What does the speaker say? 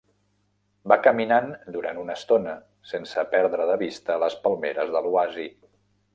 Va caminant durant una estona, sense perdre de vista les palmeres de l'oasi.